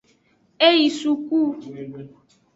E yi suku.